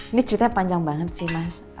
ini ceritanya panjang banget sih mas